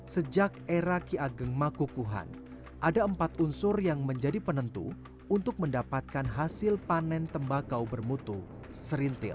sejak era ki ageng makukuhan ada empat unsur yang menjadi penentu untuk mendapatkan hasil panen tembakau bermutu serintil